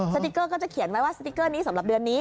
สติ๊กเกอร์ก็จะเขียนไว้ว่าสติ๊กเกอร์นี้สำหรับเดือนนี้